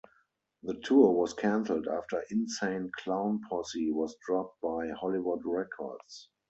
The tour was cancelled after Insane Clown Posse was dropped by Hollywood Records.